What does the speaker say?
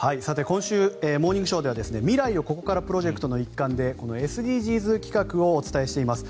今週「モーニングショー」では未来をここからプロジェクトの一環でＳＤＧｓ企画をお伝えしています。